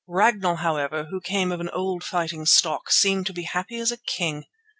Ragnall, however, who came of an old fighting stock, seemed to be happy as a king.